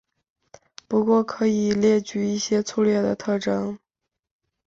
不过可以列举一些粗略的特征。